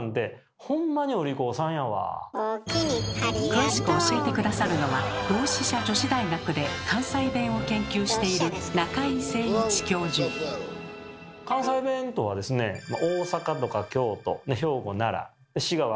詳しく教えて下さるのは同志社女子大学で関西弁を研究している「関西弁」とはですねこれをですね